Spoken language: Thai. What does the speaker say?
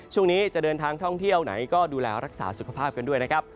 ช่วงนี้จะเดินทางท่องเที่ยวไหนก็ดูแลรักษาสุขภาพกันด้วยนะครับ